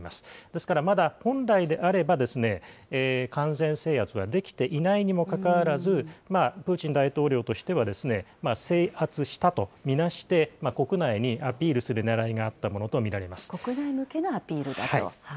ですから、まだ本来であれば、完全制圧はできていないにもかかわらず、プーチン大統領としては、制圧したとみなして国内にアピールするねらいがあったものと見ら国内向けのアピールだと。